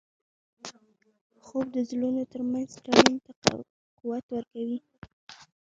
خوب د زړونو ترمنځ تړون ته قوت ورکوي